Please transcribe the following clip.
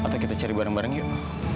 atau kita cari bareng bareng yuk